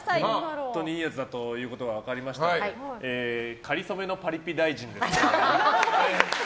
本当にいいやつだということが分かりましたのでかりそめのパリピ大臣です。